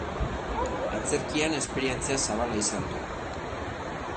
Antzerkian esperientzia zabala izan du.